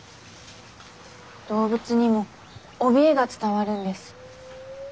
動物にもおびえが伝わるんです。